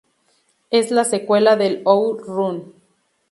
Es la secuela del Out Run.